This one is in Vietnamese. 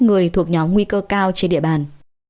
người thuộc nhóm nguy cơ cao trên địa bàn